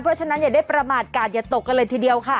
เพราะฉะนั้นอย่าได้ประมาทกาศอย่าตกกันเลยทีเดียวค่ะ